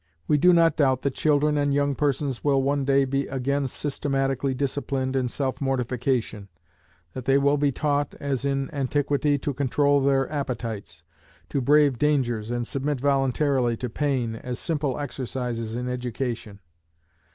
We do not doubt that children and young persons will one day be again systematically disciplined in self mortification; that they will be taught, as in antiquity, to control their appetites, to brave dangers, and submit voluntarily to pain, as simple exercises in education.